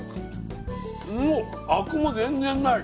アクも全然ない。